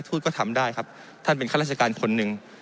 ก็ทำได้ครับท่านเป็นข้าราชการคนหนึ่ง